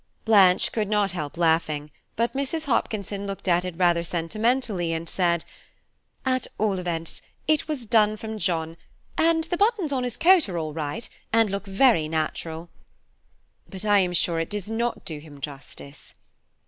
Blanche could not help laughing; but Mrs. Hopkinson looked at it rather sentimentally, and said, "At all events, it was done from John, and the buttons on his coat are all right, and look very natural." "But I am sure it does not do him justice."